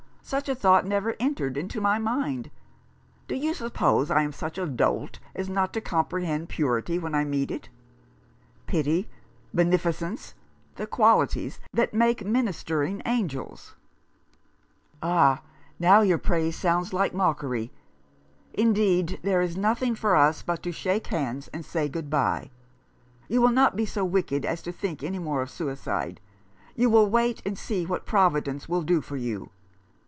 Such a thought never entered into my mind. Do you suppose I am such a dolt as not to comprehend purity when I meet it ? Pity, 30 A Fellow feeling. beneficence, the qualities that make ministering angels !" "Ah, now your praise sounds like mockery. Indeed, there is nothing for us but to shake hands and say good bye. You will not be so wicked as to think any more of suicide. You will wait and see what Providence will do for you.